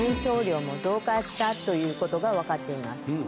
ということが分かっています。